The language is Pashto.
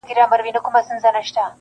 • موږ له ذاته پیدا سوي جنتیان یو -